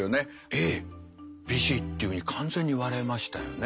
「Ａ」「ＢＣ」っていうふうに完全に割れましたよね。